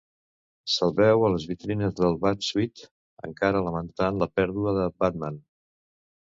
S'el veu a les vitrines del Bat-Suit, encara lamentant la pèrdua de Batman.